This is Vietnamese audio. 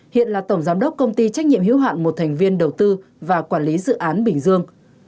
hiện là tổng giám đốc công ty trách nhiệm hiếu hạn một thành viên đầu tư và quản lý dự án bình dương